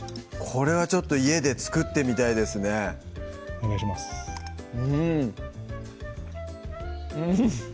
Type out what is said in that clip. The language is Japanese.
これはちょっと家で作ってみたいですねお願いします